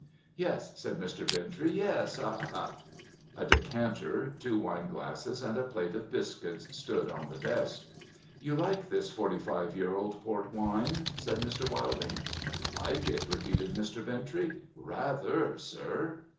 ' Yes,' said Mr. Bintrey. * Yes. Ha, ha !' A decanter, two wine glasses, and a plate of biscuits, stood on the desk. ' You like this forty five year old port wine ?' said Mr. Wilding. ' Like it ?' repeated Mr. Bintrey. ' Rather, sir